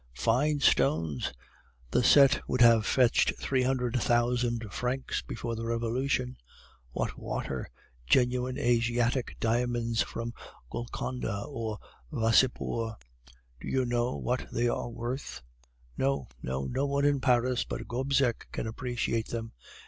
"'Fine stones! The set would have fetched three hundred thousand francs before the Revolution. What water! Genuine Asiatic diamonds from Golconda or Visapur. Do you know what they are worth? No, no; no one in Paris but Gobseck can appreciate them.